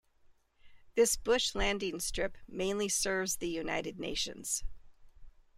This bush landing strip mainly serves the United Nations.